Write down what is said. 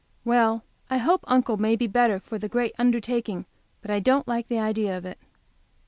Well, I hope Uncle may be the better for this great undertaking, but I don't like the idea of it.